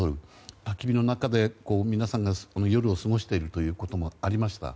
たき火の下で皆さんが夜を過ごしていることもありました。